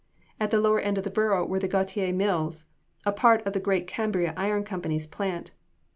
At the lower end of the borough were the Gautier Mills, a part of the great Cambria Iron Company's plant.